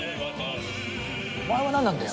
お前は何なんだよ。